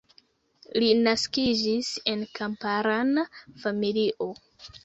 Li naskiĝis en kamparana familio.